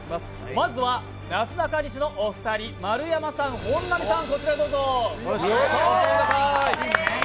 まずはなすなかにしのお二人丸山さん、本並さん、こちらにどうぞ。